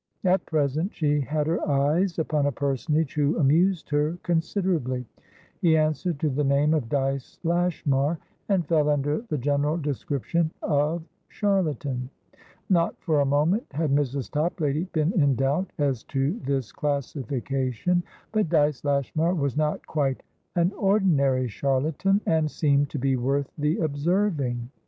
At present she had her eyes upon a personage who amused her considerably. He answered to the name of Dyce Lashmar, and fell under the general description of charlatan. Not for a moment had Mrs. Toplady been in doubt as to this classification; but Dyce Lashmar was not quite an ordinary charlatan, and seemed to be worth the observing.